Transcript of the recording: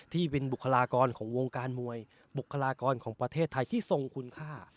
ที่เป็นบุคลากรของวงการมวยบุคลากรของประเทศไทยที่ทรงคุณค่า